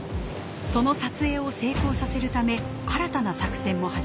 その撮影を成功させるため新たな作戦も始めます。